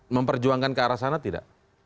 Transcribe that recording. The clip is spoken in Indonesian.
memperjuangkan ke arah sana tidak